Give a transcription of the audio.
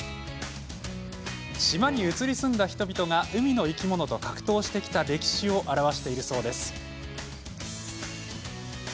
島に移り住んだ人々が海の生き物と格闘してきた歴史を表しているそうです。